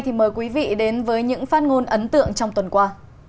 thì mời quý vị đến với những phát ngôn ấn tượng trong tuần qua